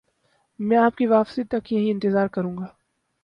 میں آپ کی واپسی تک یہیں انتظار کروں گا